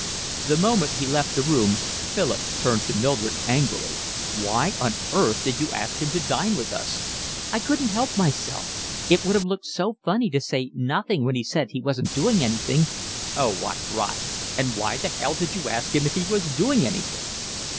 The moment he left the room Philip turned to Mildred angrily. "Why on earth did you ask him to dine with us?" "I couldn't help myself. It would have looked so funny to say nothing when he said he wasn't doing anything." "Oh, what rot! And why the hell did you ask him if he was doing anything?"